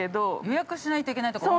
◆予約しないといけないとこ？